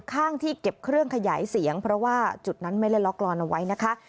ข้างที่เก็บเครื่องขยายเสียงเพราะว่าจุดนั้นไม่ได้ล็อกกรอนเอาไว้นะคะ